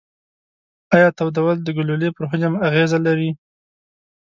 ایا تودول د ګلولې پر حجم اغیزه لري؟